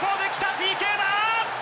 ＰＫだ！